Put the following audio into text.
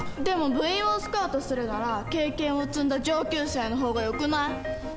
でも部員をスカウトするなら経験を積んだ上級生の方がよくない？